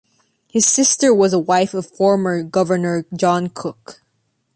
His sister was the wife of former Governor John Cook.